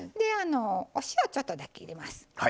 お塩、ちょっとだけ入れます。